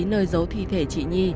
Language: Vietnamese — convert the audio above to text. nơi giấu thi thể chị n